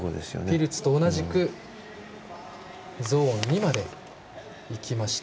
ピルツと同じくゾーン２までいきました。